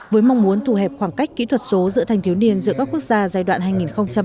với mong muốn thù hẹp khoảng cách kỹ thuật số giữa thanh thiếu niên giữa các quốc gia giai đoạn